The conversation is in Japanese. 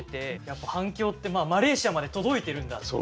やっぱ反響ってマレーシアまで届いてるんだって。